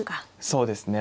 そうですね。